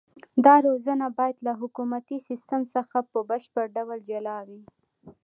دا روزنه باید له حکومتي سیستم څخه په بشپړ ډول جلا وي.